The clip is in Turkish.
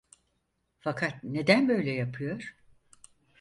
Fakat neden böyle yapıyor?